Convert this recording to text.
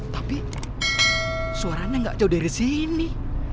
tapi suaranya gak jauh dari sini